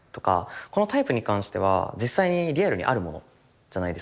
このタイプに関しては実際にリアルにあるものじゃないですか。